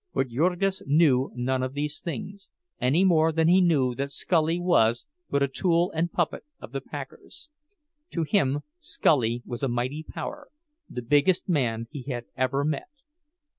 But Jurgis knew none of these things—any more than he knew that Scully was but a tool and puppet of the packers. To him Scully was a mighty power, the "biggest" man he had ever met.